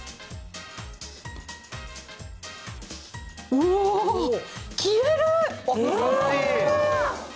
うおー、消える！